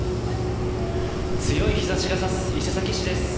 強い日ざしがさす伊勢崎市です。